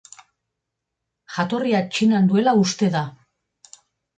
Jatorria Txinan duela uste da.